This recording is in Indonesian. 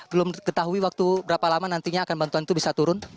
belum ketahui waktu berapa lama nantinya akan bantuan itu bisa turun